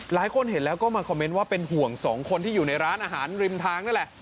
หลายคนเห็นแล้วก็มาคอมเมนต์ว่าเป็นห่วงสองคนที่อยู่ในร้านอาหารริมทางนั่นแหละ